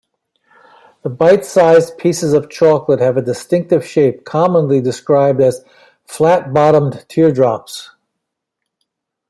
The bite-sized pieces of chocolate have a distinctive shape, commonly described as flat-bottomed teardrops.